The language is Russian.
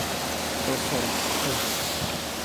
сто сорок кружек